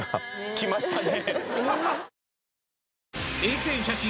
きましたね。